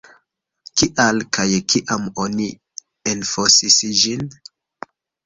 Kial kaj kiam oni enfosis ĝin?